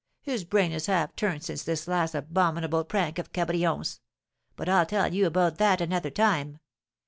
His brain is half turned since this last abominable prank of Cabrion's; but I'll tell you about that another time.